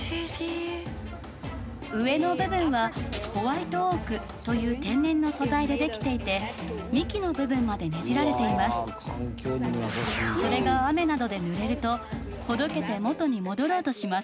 上の部分はホワイトオークという天然の素材できていてそれが雨などでぬれるとほどけて元に戻ろうとします。